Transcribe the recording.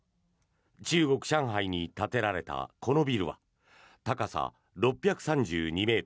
中国・上海に建てられたこのビルは高さ６３２ｍ